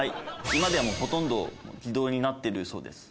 今ではもう、ほとんど自動になってるそうです。